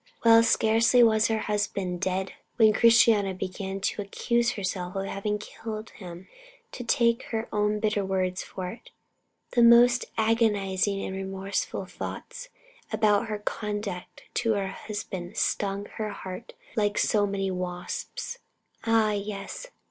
Well, scarcely was her husband dead when Christiana began to accuse herself of having killed him. To take her own bitter words for it, the most agonising and remorseful thoughts about her conduct to her husband stung her heart like so many wasps. Ah yes!